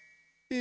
え！？